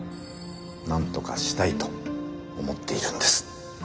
なんとかしたいと思っているんです。